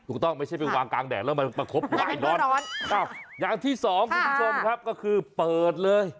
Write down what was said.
ไม่ใช่ไปวางกลางแดดแล้วมันประคบไล่นอนอย่างที่สองคุณผู้ชมครับก็คือเปิดเลย